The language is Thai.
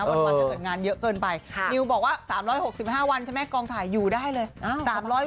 วันถ้าเกิดงานเยอะเกินไปนิวบอกว่า๓๖๕วันใช่ไหมกองถ่ายอยู่ได้เลย